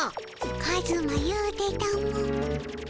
カズマ言うてたも。